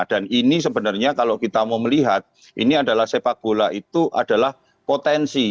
dan ini sebenarnya kalau kita mau melihat ini adalah sepak bola itu adalah potensi